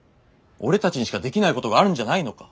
俺たちにしかできないことがあるんじゃないのか？